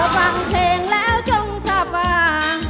ถ้าฟังเพลงแล้วจงสบาย